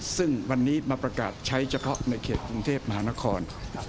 ซึ่งวันนี้มาประกาศใช้เฉพาะในเขตกรุงเทพมหานคร